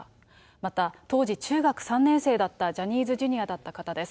また当時中学３年生だったジャニーズＪｒ．だった方です。